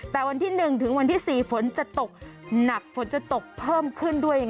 แต่วันที่๑ถึงวันที่๔ฝนจะตกหนักฝนจะตกเพิ่มขึ้นด้วย